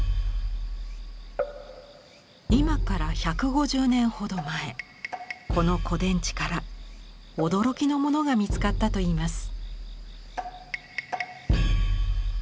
今から１５０年ほど前この古殿地から驚きのものが見つかったといいます。